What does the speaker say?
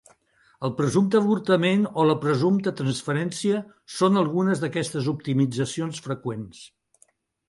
El "presumpte avortament" o la "presumpta transferència" són algunes d'aquestes optimitzacions freqüents.